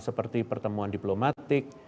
seperti pertemuan diplomatik